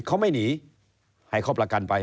เขาไม่หนีให้เขาประกันไป